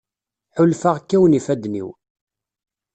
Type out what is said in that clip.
Ḥulfaɣ kkawen ifadden-iw.